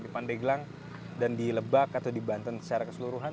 di pandeglang dan di lebak atau di banten secara keseluruhan